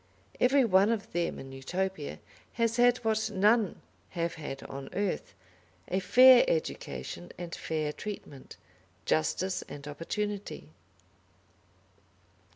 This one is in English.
Every one of them in Utopia has had what none have had on earth, a fair education and fair treatment, justice, and opportunity.